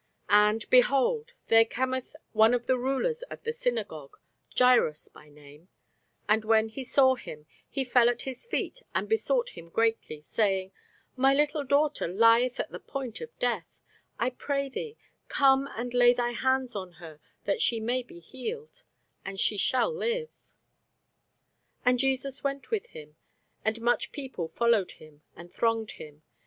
And, behold, there cometh one of the rulers of the synagogue, Jairus by name; and when he saw him, he fell at his feet, and besought him greatly, saying, My little daughter lieth at the point of death: I pray thee, come and lay thy hands on her, that she may be healed; and she shall live. And Jesus went with him; and much people followed him, and thronged him.